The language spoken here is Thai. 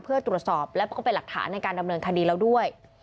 เพื่อตรวจสอบแล้วก็เป็นหลักฐานในการดำเนินคดีแล้วด้วย